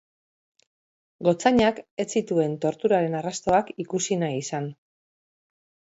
Gotzainak ez zituen torturaren arrastoak ikusi nahi izan.